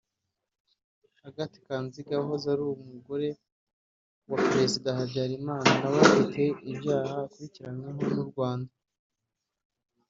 Agathe Kanziga wahoze ari umugore wa Perezida Habyarimana nawe ufite ibyaha akurikiranyweho mu Rwanda